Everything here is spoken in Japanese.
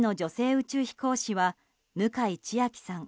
宇宙飛行士は向井千秋さん